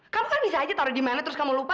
kamu kan bisa aja taruh dimana terus kamu lupa